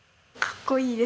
かっこいい！